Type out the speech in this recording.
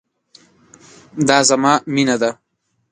دا زما مينه ده